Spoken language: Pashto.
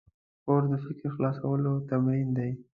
کورس د فکر خلاصولو تمرین دی.